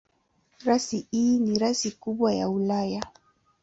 Rasi hii ni rasi kubwa ya Ulaya.